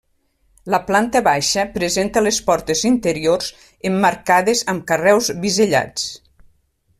La planta baixa presenta les portes interiors emmarcades amb carreus bisellats.